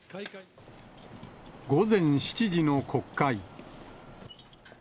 午前７時の国会。